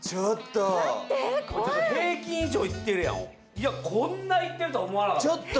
いやこんないってるとは思わなかった。